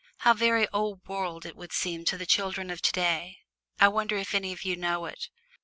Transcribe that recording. How very old world it would seem to the children of to day I wonder if any of you know it?